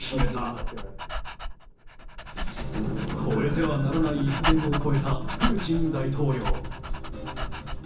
越えてはならない一線を越えたプーチン大統領。